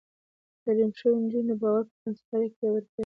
تعليم شوې نجونې د باور پر بنسټ اړيکې پياوړې کوي.